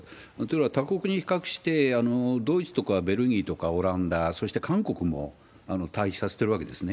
他国に比較して、ドイツとかベルギーとかオランダ、そして韓国も退避させてるわけですね。